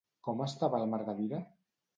Com estava la Margarida?